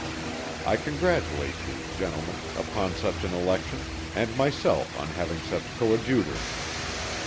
I congratulate you, Gentlemen, upon such an election, and myself on having such coadjutures.